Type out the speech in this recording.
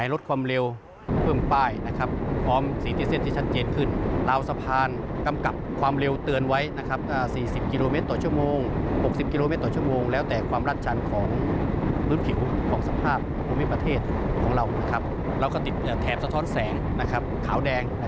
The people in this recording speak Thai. แล้วก็เกรดเครื่องหมายลดความเร็ว